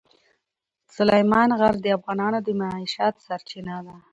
سلیمان غر د افغانانو د معیشت سرچینه ده.